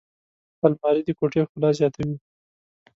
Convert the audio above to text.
الماري د کوټې ښکلا زیاتوي